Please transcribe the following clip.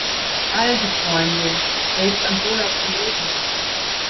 Also, Freunde, helft Angola zu leben!